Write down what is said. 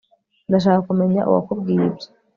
Ndashaka kumenya uwakubwiye ibyo